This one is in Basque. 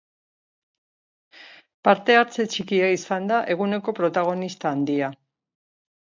Parte-hartze txikia izan da eguneko protagonista handia.